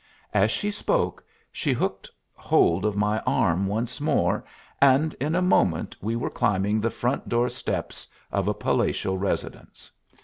As she spoke, she hooked hold of my arm once more, and in a moment we were climbing the front door steps of a palatial residence.